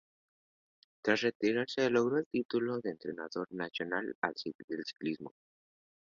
Tras retirarse, logró el título de entrenador nacional de ciclismo.